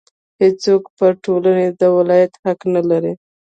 هېڅوک پر ټولنې د ولایت حق نه لري.